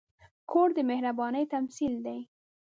کور د مهربانۍ تمثیل دی.